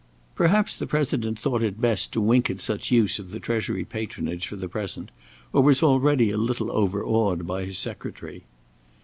Perhaps the President thought it best to wink at such use of the Treasury patronage for the present, or was already a little overawed by his Secretary.